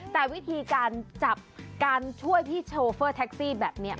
แต่วิธีการจับเติมหี่ชอเฟอร์แท็กซี่แบบนี้